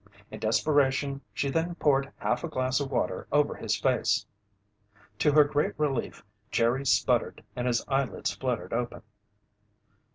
In desperation, she then poured half a glass of water over his face. To her great relief, Jerry sputtered and his eyelids fluttered open.